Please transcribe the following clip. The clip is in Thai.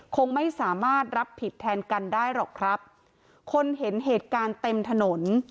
คงไม่สามารถรับผิดแทนกันได้หรอกครับคนเห็นเหตุการณ์เต็มถนน